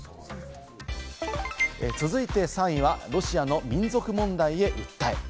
続いて３位はロシアの民族問題へ訴え。